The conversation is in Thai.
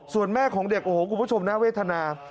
ส่วนแม่ของเด็กโอ้โหคุณผู้ชมน่าเวทนา